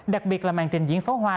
đặc biệt là màn trình diễn phó hoa